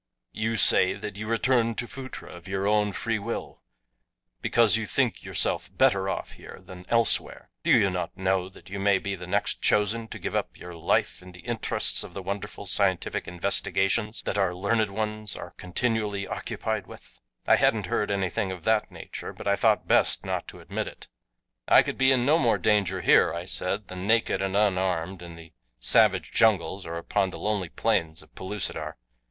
"You say that you returned to Phutra of your own free will, because you think yourself better off here than elsewhere do you not know that you may be the next chosen to give up your life in the interests of the wonderful scientific investigations that our learned ones are continually occupied with?" I hadn't heard of anything of that nature, but I thought best not to admit it. "I could be in no more danger here," I said, "than naked and unarmed in the savage jungles or upon the lonely plains of Pellucidar.